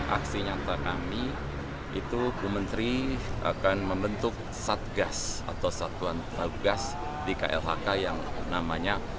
aksi nyata kami itu bu menteri akan membentuk satgas atau satuan tugas di klhk yang namanya